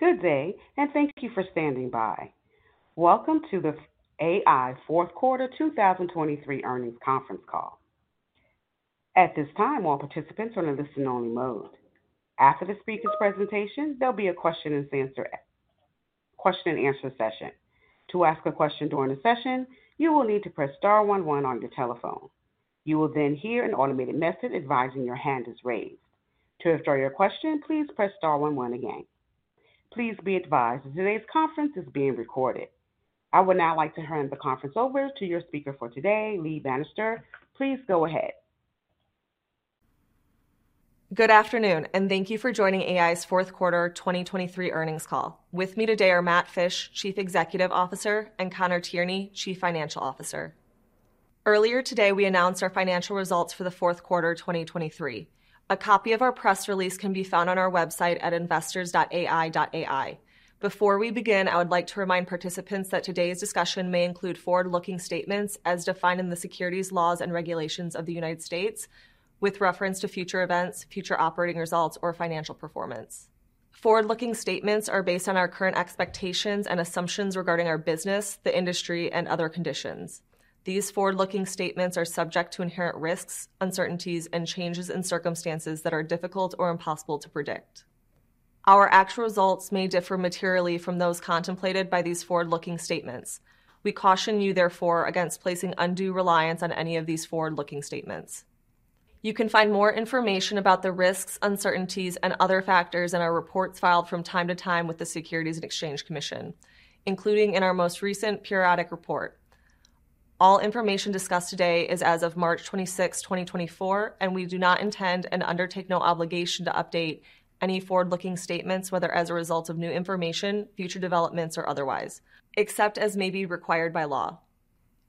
Good day, and thank you for standing by. Welcome to the AEye Fourth Quarter 2023 Earnings Conference Call. At this time, all participants are in a listen-only mode. After the speaker's presentation, there'll be a question-and-answer session. To ask a question during the session, you will need to press star one one on your telephone. You will then hear an automated message advising that your hand is raised. To withdraw your question, please press star one one again. Please be advised that today's conference is being recorded. I would now like to turn the conference over to your speaker for today, Lee Bannister. Please go ahead. Good afternoon, and thank you for joining AEye's Fourth Quarter 2023 Earnings Call. With me today are Matt Fisch, Chief Executive Officer, and Conor Tierney, Chief Financial Officer. Earlier today, we announced our financial results for the Fourth Quarter 2023. A copy of our press release can be found on our website at investors.aeye.ai. Before we begin, I would like to remind participants that today's discussion may include forward-looking statements as defined in the securities laws and regulations of the United States, with reference to future events, future operating results, or financial performance. Forward-looking statements are based on our current expectations and assumptions regarding our business, the industry, and other conditions. These forward-looking statements are subject to inherent risks, uncertainties, and changes in circumstances that are difficult or impossible to predict. Our actual results may differ materially from those contemplated by these forward-looking statements. We caution you, therefore, against placing undue reliance on any of these forward-looking statements. You can find more information about the risks, uncertainties, and other factors in our reports filed from time to time with the Securities and Exchange Commission, including in our most recent periodic report. All information discussed today is as of March 26th, 2024, and we do not intend and undertake no obligation to update any forward-looking statements, whether as a result of new information, future developments, or otherwise, except as may be required by law.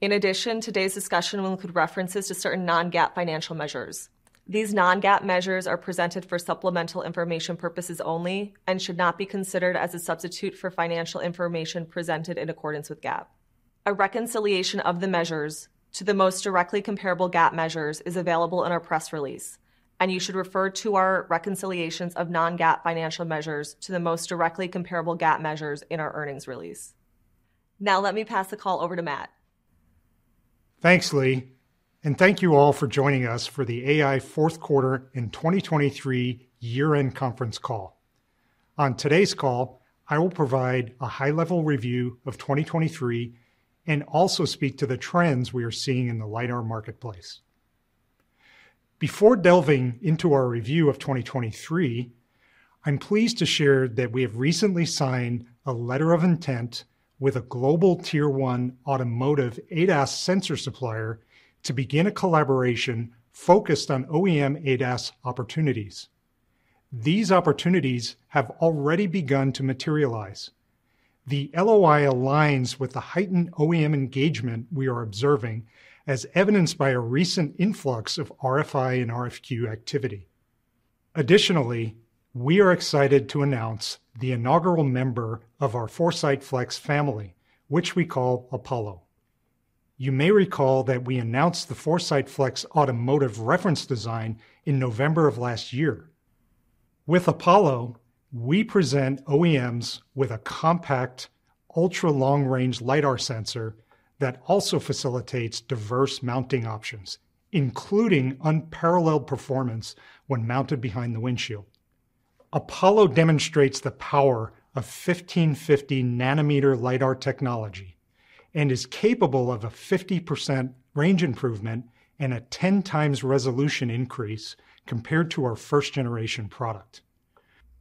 In addition, today's discussion will include references to certain Non-GAAP financial measures. These Non-GAAP measures are presented for supplemental information purposes only and should not be considered as a substitute for financial information presented in accordance with GAAP. A reconciliation of the measures to the most directly comparable GAAP measures is available in our press release, and you should refer to our reconciliations of Non-GAAP financial measures to the most directly comparable GAAP measures in our earnings release. Now let me pass the call over to Matt. Thanks, Lee, and thank you all for joining us for the AEye Fourth Quarter and 2023 Year-End Conference Call. On today's call, I will provide a high-level review of 2023 and also speak to the trends we are seeing in the LiDAR marketplace. Before delving into our review of 2023, I'm pleased to share that we have recently signed a letter of intent with a global Tier 1 automotive ADAS sensor supplier to begin a collaboration focused on OEM ADAS opportunities. These opportunities have already begun to materialize. The LOI aligns with the heightened OEM engagement we are observing as evidenced by a recent influx of RFI and RFQ activity. Additionally, we are excited to announce the inaugural member of our 4Sight Flex family, which we call Apollo. You may recall that we announced the 4Sight Flex automotive reference design in November of last year. With Apollo, we present OEMs with a compact, ultra-long-range LiDAR sensor that also facilitates diverse mounting options, including unparalleled performance when mounted behind the windshield. Apollo demonstrates the power of 1550 nanometer LiDAR technology and is capable of a 50% range improvement and a 10 times resolution increase compared to our first-generation product.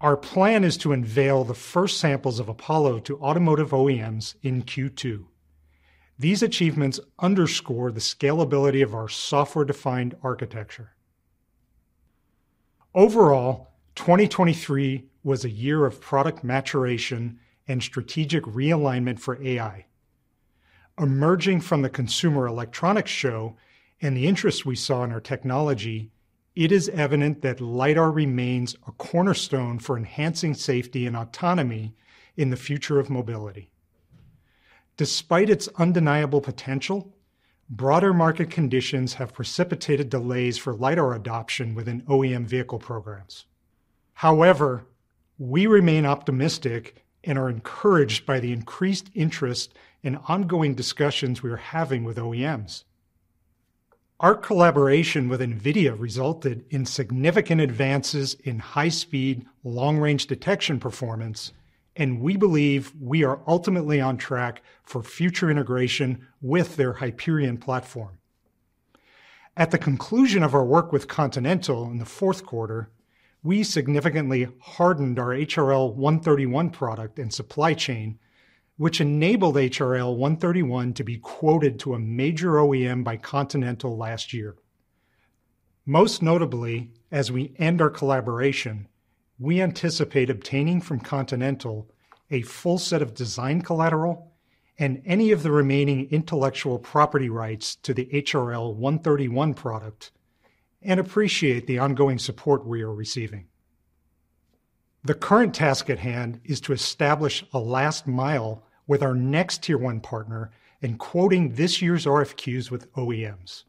Our plan is to unveil the first samples of Apollo to automotive OEMs in Q2. These achievements underscore the scalability of our software-defined architecture. Overall, 2023 was a year of product maturation and strategic realignment for AEye. Emerging from the Consumer Electronics Show and the interest we saw in our technology, it is evident that LiDAR remains a cornerstone for enhancing safety and autonomy in the future of mobility. Despite its undeniable potential, broader market conditions have precipitated delays for LiDAR adoption within OEM vehicle programs. However, we remain optimistic and are encouraged by the increased interest in ongoing discussions we are having with OEMs. Our collaboration with NVIDIA resulted in significant advances in high-speed, long-range detection performance, and we believe we are ultimately on track for future integration with their Hyperion platform. At the conclusion of our work with Continental in the fourth quarter, we significantly hardened our HRL 131 product and supply chain, which enabled HRL 131 to be quoted to a major OEM by Continental last year. Most notably, as we end our collaboration, we anticipate obtaining from Continental a full set of design collateral and any of the remaining intellectual property rights to the HRL 131 product and appreciate the ongoing support we are receiving. The current task at hand is to establish a last mile with our next Tier 1 partner in quoting this year's RFQs with OEMs.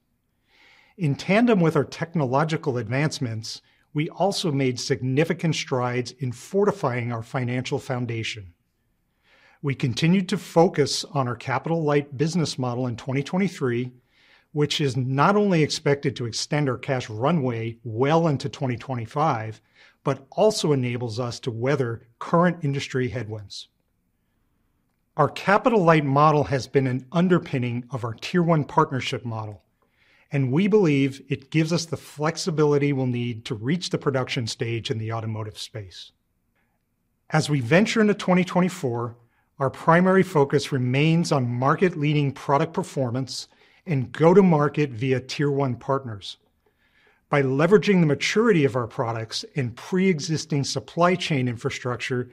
In tandem with our technological advancements, we also made significant strides in fortifying our financial foundation. We continue to focus on our capital-light business model in 2023, which is not only expected to extend our cash runway well into 2025 but also enables us to weather current industry headwinds. Our capital-light model has been an underpinning of our Tier 1 partnership model, and we believe it gives us the flexibility we'll need to reach the production stage in the automotive space. As we venture into 2024, our primary focus remains on market-leading product performance and go-to-market via Tier 1 partners. By leveraging the maturity of our products and pre-existing supply chain infrastructure,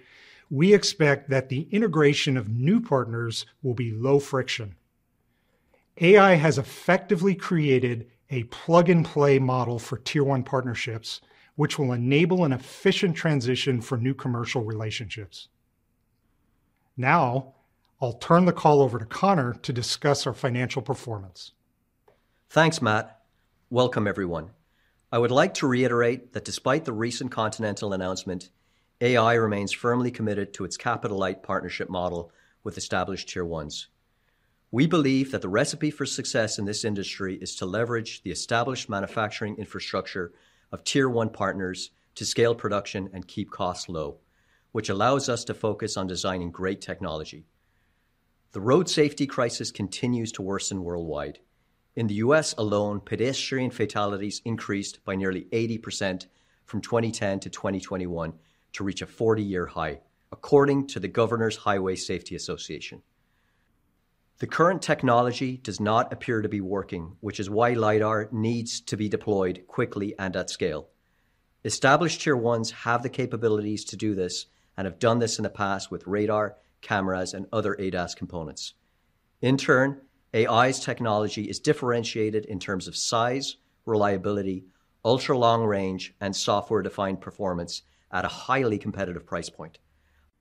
we expect that the integration of new partners will be low friction. AEye has effectively created a plug-and-play model for Tier 1 partnerships, which will enable an efficient transition for new commercial relationships. Now I'll turn the call over to Conor to discuss our financial performance. Thanks, Matt. Welcome, everyone. I would like to reiterate that despite the recent Continental announcement, AEye remains firmly committed to its capital-light partnership model with established Tier 1s. We believe that the recipe for success in this industry is to leverage the established manufacturing infrastructure of Tier 1 partners to scale production and keep costs low, which allows us to focus on designing great technology. The road safety crisis continues to worsen worldwide. In the U.S. alone, pedestrian fatalities increased by nearly 80% from 2010 to 2021 to reach a 40-year high, according to the Governors Highway Safety Association. The current technology does not appear to be working, which is why LiDAR needs to be deployed quickly and at scale. Established Tier 1s have the capabilities to do this and have done this in the past with radar, cameras, and other ADAS components. In turn, AEye's technology is differentiated in terms of size, reliability, ultra-long range, and software-defined performance at a highly competitive price point.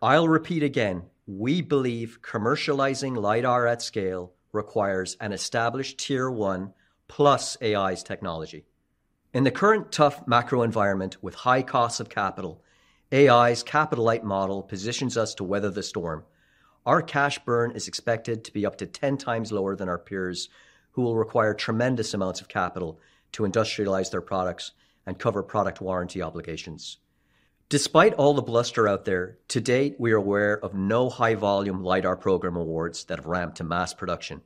I'll repeat again: we believe commercializing LiDAR at scale requires an established Tier 1 plus AEye's technology. In the current tough macro environment with high costs of capital, AEye's capital-light model positions us to weather the storm. Our cash burn is expected to be up to 10 times lower than our peers, who will require tremendous amounts of capital to industrialize their products and cover product warranty obligations. Despite all the bluster out there, to date, we are aware of no high-volume LiDAR program awards that have ramped to mass production.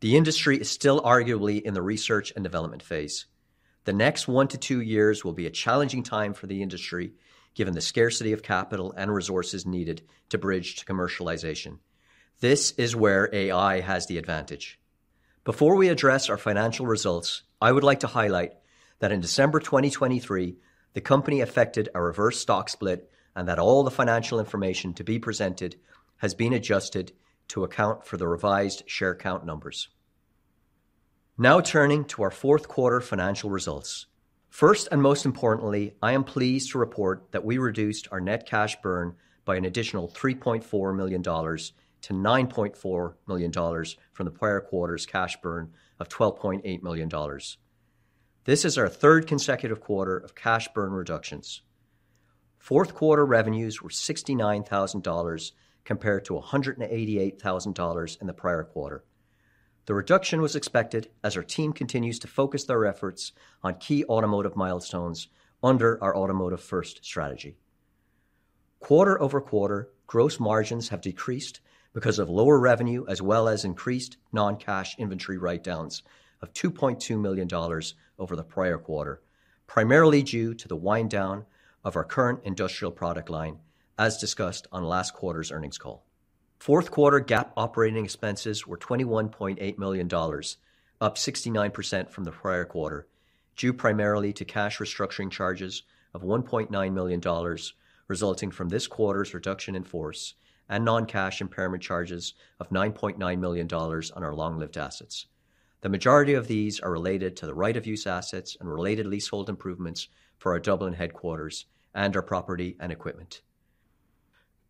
The industry is still arguably in the research and development phase. The next one to two years will be a challenging time for the industry, given the scarcity of capital and resources needed to bridge to commercialization. This is where AEye has the advantage. Before we address our financial results, I would like to highlight that in December 2023, the company affected a reverse stock split and that all the financial information to be presented has been adjusted to account for the revised share count numbers. Now turning to our fourth quarter financial results. First and most importantly, I am pleased to report that we reduced our net cash burn by an additional $3.4 million-$9.4 million from the prior quarter's cash burn of $12.8 million. This is our third consecutive quarter of cash burn reductions. Fourth quarter revenues were $69,000 compared to $188,000 in the prior quarter. The reduction was expected as our team continues to focus their efforts on key automotive milestones under our automotive-first strategy. Quarter-over-quarter, gross margins have decreased because of lower revenue as well as increased non-cash inventory write-downs of $2.2 million over the prior quarter, primarily due to the wind-down of our current industrial product line, as discussed on last quarter's earnings call. Fourth quarter GAAP operating expenses were $21.8 million, up 69% from the prior quarter, due primarily to cash restructuring charges of $1.9 million resulting from this quarter's reduction in force and non-cash impairment charges of $9.9 million on our long-lived assets. The majority of these are related to the right-of-use assets and related leasehold improvements for our Dublin headquarters and our property and equipment.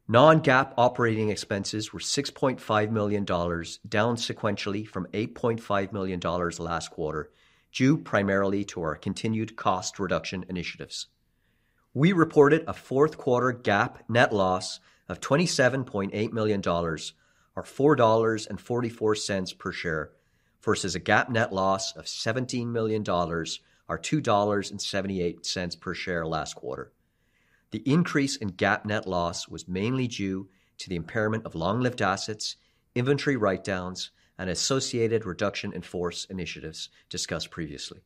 Non-GAAP operating expenses were $6.5 million down sequentially from $8.5 million last quarter, due primarily to our continued cost reduction initiatives. We reported a fourth quarter GAAP net loss of $27.8 million, or $4.44 per share, versus a GAAP net loss of $17 million, or $2.78 per share last quarter. The increase in GAAP net loss was mainly due to the impairment of long-lived assets, inventory write-downs, and associated reduction-in-force initiatives discussed previously.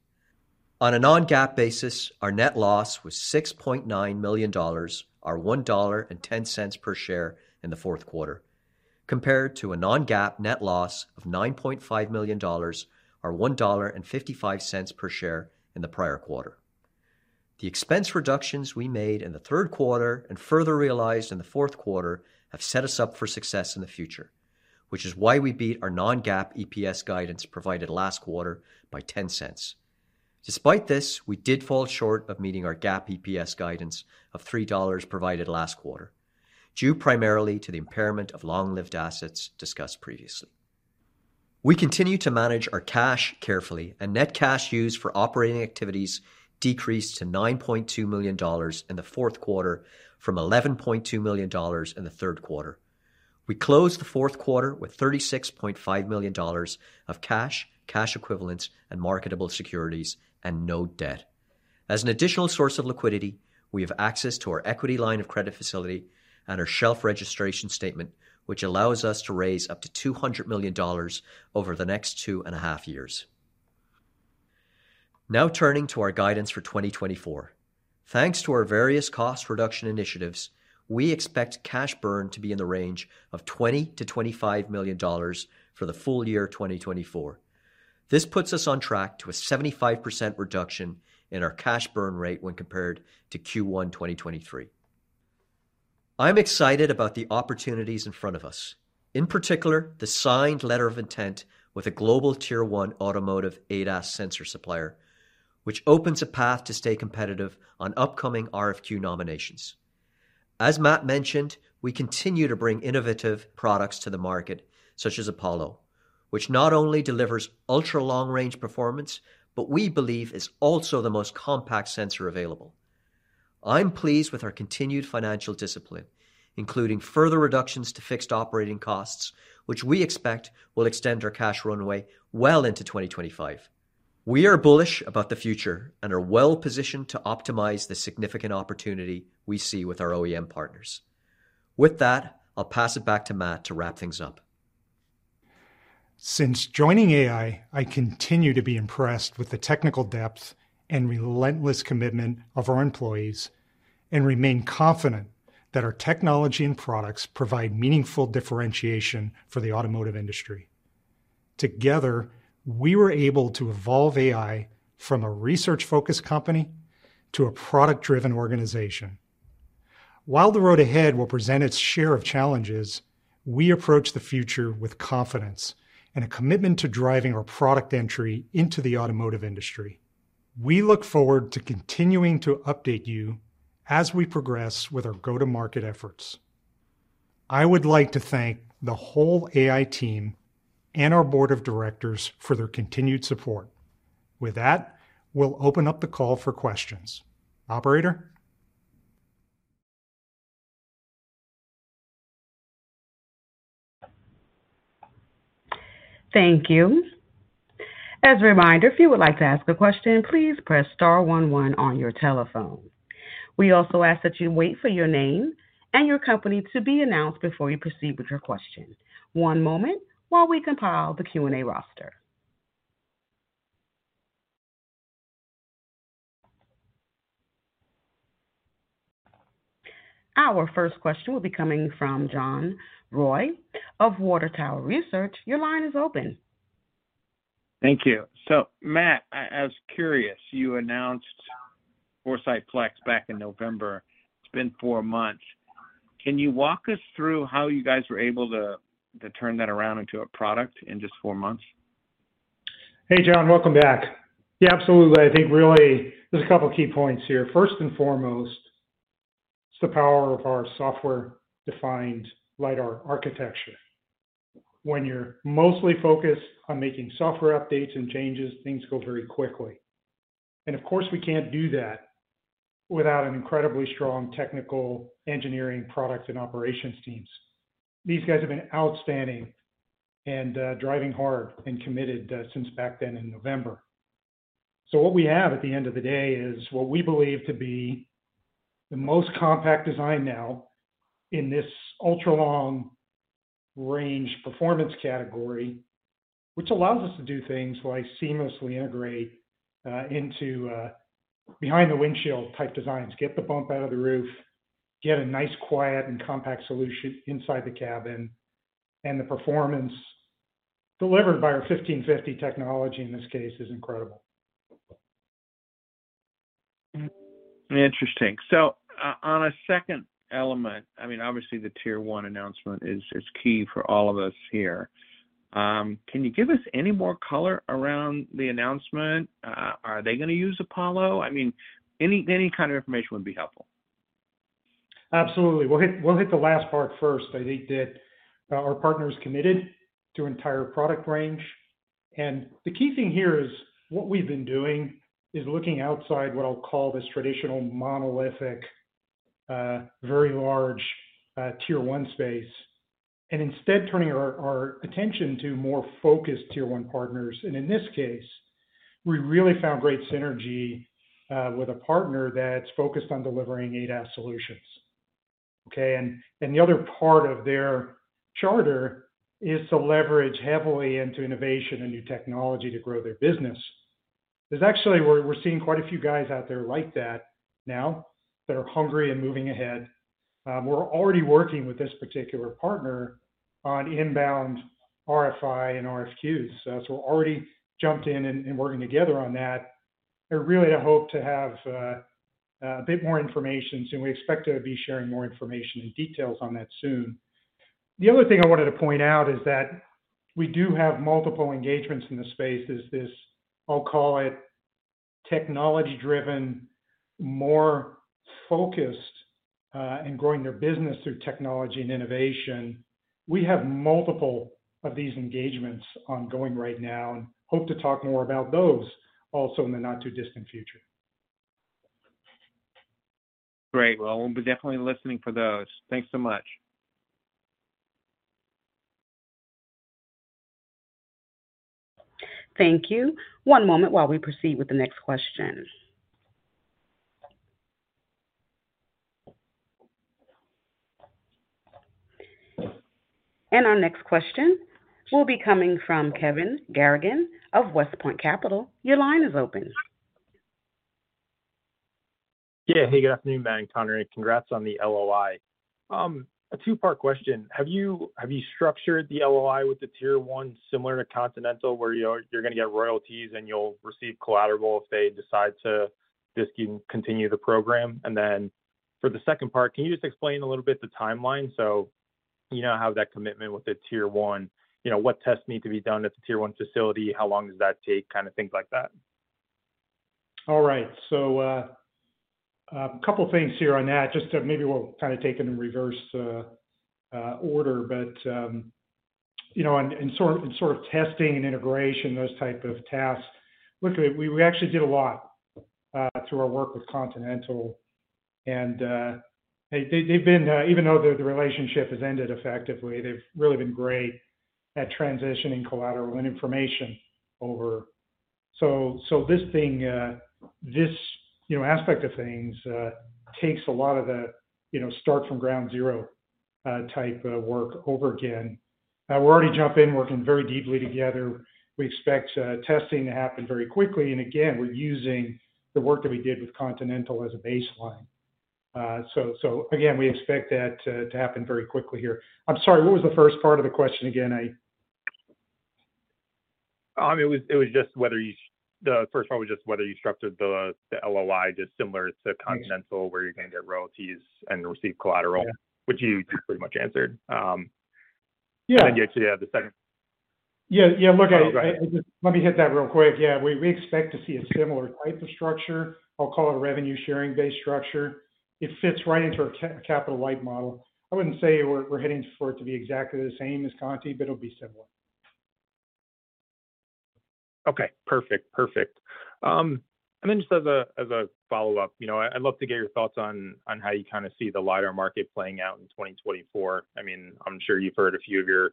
On a Non-GAAP basis, our net loss was $6.9 million, or $1.10 per share in the fourth quarter, compared to a Non-GAAP net loss of $9.5 million, or $1.55 per share in the prior quarter. The expense reductions we made in the third quarter and further realized in the fourth quarter have set us up for success in the future, which is why we beat our Non-GAAP EPS guidance provided last quarter by $0.10. Despite this, we did fall short of meeting our GAAP EPS guidance of $3 provided last quarter, due primarily to the impairment of long-lived assets discussed previously. We continue to manage our cash carefully, and net cash used for operating activities decreased to $9.2 million in the fourth quarter from $11.2 million in the third quarter. We closed the fourth quarter with $36.5 million of cash, cash equivalents, and marketable securities, and no debt. As an additional source of liquidity, we have access to our equity line of credit facility and our shelf registration statement, which allows us to raise up to $200 million over the next two and a half years. Now turning to our guidance for 2024. Thanks to our various cost reduction initiatives, we expect cash burn to be in the range of $20 million-$25 million for the full year 2024. This puts us on track to a 75% reduction in our cash burn rate when compared to Q1 2023. I am excited about the opportunities in front of us, in particular the signed letter of intent with a global Tier 1 automotive ADAS sensor supplier, which opens a path to stay competitive on upcoming RFQ nominations. As Matt mentioned, we continue to bring innovative products to the market, such as Apollo, which not only delivers ultra-long-range performance but we believe is also the most compact sensor available. I am pleased with our continued financial discipline, including further reductions to fixed operating costs, which we expect will extend our cash runway well into 2025. We are bullish about the future and are well positioned to optimize the significant opportunity we see with our OEM partners. With that, I'll pass it back to Matt to wrap things up. Since joining AEye, I continue to be impressed with the technical depth and relentless commitment of our employees and remain confident that our technology and products provide meaningful differentiation for the automotive industry. Together, we were able to evolve AEye from a research-focused company to a product-driven organization. While the road ahead will present its share of challenges, we approach the future with confidence and a commitment to driving our product entry into the automotive industry. We look forward to continuing to update you as we progress with our go-to-market efforts. I would like to thank the whole AEye team and our board of directors for their continued support. With that, we'll open up the call for questions. Operator? Thank you. As a reminder, if you would like to ask a question, please press star 11 on your telephone. We also ask that you wait for your name and your company to be announced before you proceed with your question. One moment while we compile the Q&A roster. Our first question will be coming from John Roy of Water Tower Research. Your line is open. Thank you. So, Matt, I was curious. You announced 4Sight Flex back in November. It's been four months. Can you walk us through how you guys were able to turn that around into a product in just four months? Hey, John. Welcome back. Yeah, absolutely. I think really there's a couple of key points here. First and foremost, it's the power of our software-defined LiDAR architecture. When you're mostly focused on making software updates and changes, things go very quickly. And of course, we can't do that without an incredibly strong technical engineering, product, and operations teams. These guys have been outstanding and driving hard and committed since back then in November. So what we have at the end of the day is what we believe to be the most compact design now in this ultra-long-range performance category, which allows us to do things like seamlessly integrate into behind-the-windshield-type designs, get the bump out of the roof, get a nice, quiet, and compact solution inside the cabin. And the performance delivered by our 1550 technology, in this case, is incredible. Interesting. So on a second element, I mean, obviously, the Tier 1 announcement is key for all of us here. Can you give us any more color around the announcement? Are they going to use Apollo? I mean, any kind of information would be helpful. Absolutely. We'll hit the last part first. I think that our partner is committed to an entire product range. And the key thing here is what we've been doing is looking outside what I'll call this traditional monolithic, very large Tier 1 space and instead turning our attention to more focused Tier 1 partners. And in this case, we really found great synergy with a partner that's focused on delivering ADAS solutions. Okay? And the other part of their charter is to leverage heavily into innovation and new technology to grow their business. Actually, we're seeing quite a few guys out there like that now that are hungry and moving ahead. We're already working with this particular partner on inbound RFI and RFQs. So we're already jumped in and working together on that. I really hope to have a bit more information soon. We expect to be sharing more information and details on that soon. The other thing I wanted to point out is that we do have multiple engagements in the space. There's this, I'll call it, technology-driven, more focused in growing their business through technology and innovation. We have multiple of these engagements ongoing right now and hope to talk more about those also in the not-too-distant future. Great. Well, we'll be definitely listening for those. Thanks so much. Thank you. One moment while we proceed with the next question. Our next question will be coming from Kevin Garrigan of WestPark Capital. Your line is open. Yeah. Hey, good afternoon, Matt and Conor. Congrats on the LOI. A two-part question. Have you structured the LOI with the Tier 1 similar to Continental, where you're going to get royalties and you'll receive collateral if they decide to just continue the program? And then for the second part, can you just explain a little bit the timeline? So how that commitment with the Tier 1, what tests need to be done at the Tier 1 facility, how long does that take, kind of things like that? All right. So a couple of things here on that. Maybe we'll kind of take it in reverse order. But in sort of testing and integration, those type of tasks, look at it, we actually did a lot through our work with Continental. And they've been, even though the relationship has ended effectively, they've really been great at transitioning collateral and information over. So this aspect of things takes a lot of the start from ground zero type work over again. We're already jumping in, working very deeply together. We expect testing to happen very quickly. And again, we're using the work that we did with Continental as a baseline. So again, we expect that to happen very quickly here. I'm sorry. What was the first part of the question again? I mean, it was just the first part was just whether you structured the LOI just similar to Continental, where you're going to get royalties and receive collateral, which you pretty much answered. And then you actually had the second. Yeah. Yeah. Look, let me hit that real quick. Yeah. We expect to see a similar type of structure. I'll call it a revenue-sharing-based structure. It fits right into our capital light model. I wouldn't say we're heading for it to be exactly the same as Conti, but it'll be similar. Okay. Perfect. Perfect. And then just as a follow-up, I'd love to get your thoughts on how you kind of see the LiDAR market playing out in 2024. I mean, I'm sure you've heard a few of your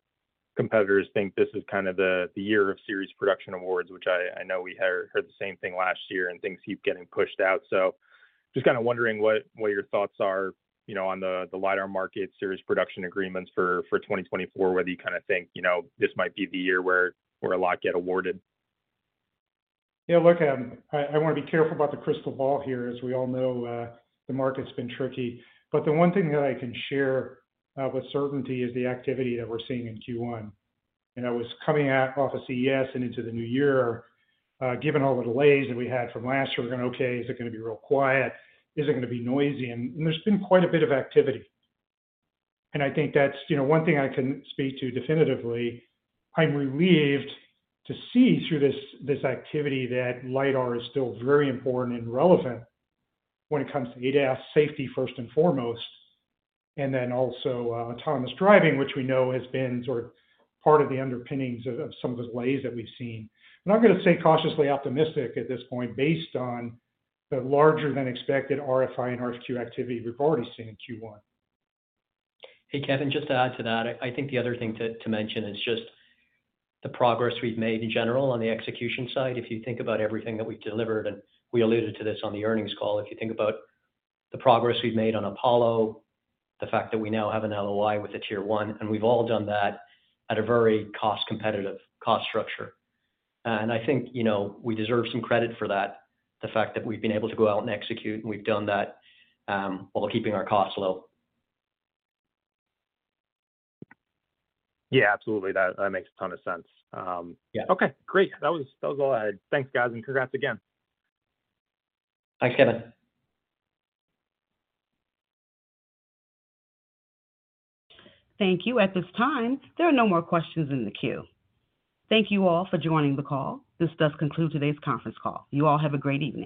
competitors think this is kind of the year of series production awards, which I know we heard the same thing last year and things keep getting pushed out. So just kind of wondering what your thoughts are on the LiDAR market, series production agreements for 2024, whether you kind of think this might be the year where a lot get awarded. Yeah. Look, I want to be careful about the crystal ball here. As we all know, the market's been tricky. But the one thing that I can share with certainty is the activity that we're seeing in Q1. And I was coming off of CES and into the new year. Given all the delays that we had from last year, we're going, "Okay. Is it going to be real quiet? Is it going to be noisy?" And there's been quite a bit of activity. And I think that's one thing I can speak to definitively. I'm relieved to see through this activity that LiDAR is still very important and relevant when it comes to ADAS safety first and foremost, and then also autonomous driving, which we know has been sort of part of the underpinnings of some of the delays that we've seen. I'm going to say cautiously optimistic at this point based on the larger-than-expected RFI and RFQ activity we've already seen in Q1. Hey, Kevin, just to add to that, I think the other thing to mention is just the progress we've made in general on the execution side. If you think about everything that we've delivered, and we alluded to this on the earnings call, if you think about the progress we've made on Apollo, the fact that we now have an LOI with a Tier 1, and we've all done that at a very cost-competitive cost structure. And I think we deserve some credit for that, the fact that we've been able to go out and execute, and we've done that while keeping our costs low. Yeah. Absolutely. That makes a ton of sense. Okay. Great. That was all I had. Thanks, guys, and congrats again. Thanks, Kevin. Thank you. At this time, there are no more questions in the queue. Thank you all for joining the call. This does conclude today's conference call. You all have a great evening.